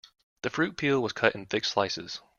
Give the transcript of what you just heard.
The fruit peel was cut in thick slices.